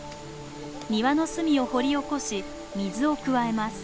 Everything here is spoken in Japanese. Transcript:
庭の隅を掘り起こし水を加えます。